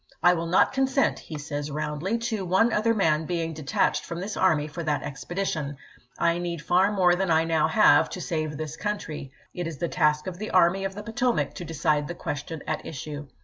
" I will not consent," he says roundly, " to one other man being detached from this army for that expedition. toThomifs I need far more than I now have, to save this oct Sei. country. .. It is the task of the Army of the vi., p. 179.' Potomac to decide the question at issue."